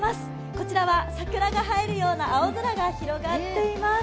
こちらは桜が映えるような青空が広がっています。